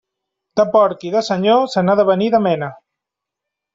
De porc i de senyor se n'ha de venir de mena.